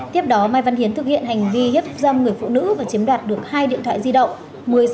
tiếp đó mai văn hiến thực hiện hành vi hiếp dâm người phụ nữ và chiếm đoạt được hai điện thoại di động